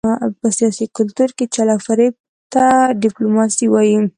په سیاسي کلتور کې چل او فرېب ته ډیپلوماسي وايي.